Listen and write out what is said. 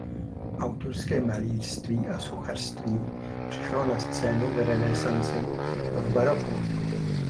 Autorské malířství a sochařství přišlo na scénu v renesanci a v baroku.